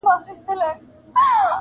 جانان سم لکه ګلاب دے لاجواب دے